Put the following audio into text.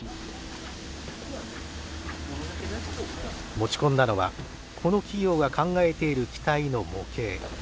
持ち込んだのはこの企業が考えている機体の模型。